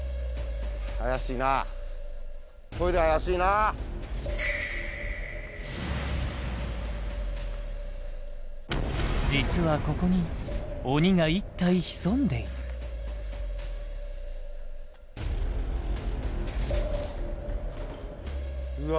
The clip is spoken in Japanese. トイレ怪しいなっ実はここに鬼が１体潜んでいるうわ